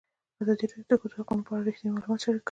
ازادي راډیو د د ښځو حقونه په اړه رښتیني معلومات شریک کړي.